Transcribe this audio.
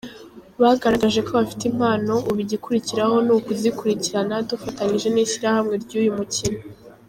Bagaragaje ko bafite impano ubu igikurikiraho ni ukuzikurikirana dufatanyije n’ishyirahamwe ry’uyu mukino.